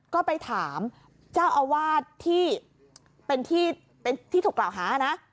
ก็ไปถามเจ้าอาวาสที่เป็นที่ถูกกล่าวหานะ